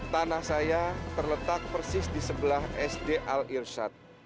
tanah saya terletak persis di sebelah sd al irshad